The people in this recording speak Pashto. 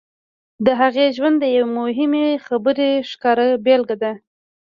د هغې ژوند د یوې مهمې خبرې ښکاره بېلګه ده